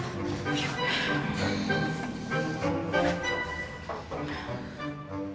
nenek aku mau nunggu